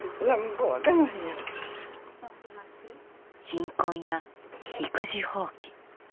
貧困や育児放棄。